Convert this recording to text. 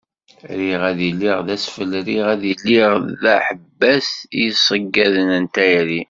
Riɣ ad iliɣ d asfel riɣ ad iliɣ d aḥebbas i yiṣeggaden n tayri.